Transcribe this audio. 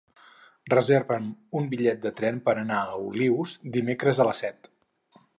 Reserva'm un bitllet de tren per anar a Olius dimecres a les set.